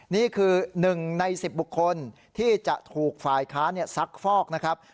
นี่คือ๑ใน๑๐บุคคลที่จะถูกฝ่ายค้าซักฟอกนะครับ